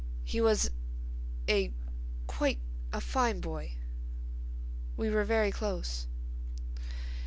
"He was—a—quite a fine boy. We were very close."